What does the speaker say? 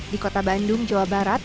di kota bandung jawa barat